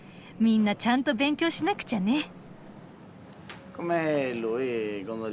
みんなちゃんと勉強しなくちゃね。